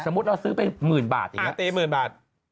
สมมุติเราซื้อไปหมื่นบาทอย่างเนี้ยอ่าตีหมื่นบาท